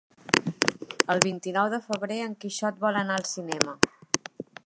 El vint-i-nou de febrer en Quixot vol anar al cinema.